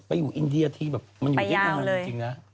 ไปอยู่อินเดียที่แบบมันอยู่แอตไปยาวเลย